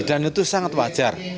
dan itu sangat wajar